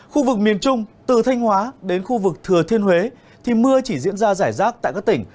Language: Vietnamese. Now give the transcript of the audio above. khu vực miền trung từ thanh hóa đến khu vực thừa thiên huế thì mưa chỉ diễn ra rải rác tại các tỉnh